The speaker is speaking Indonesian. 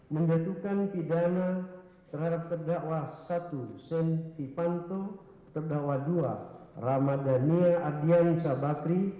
menjatuhkan pidana terhadap terdakwa satu zen ivanto terdakwa dua ramadhani adian sabatri